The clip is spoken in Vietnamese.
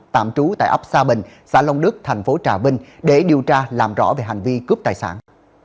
tạm trú tại ấp sa bình xã long đức thành phố trà vinh để điều tra làm rõ về hành vi cướp tài sản